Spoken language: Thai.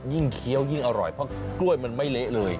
เคี้ยวยิ่งอร่อยเพราะกล้วยมันไม่เละเลย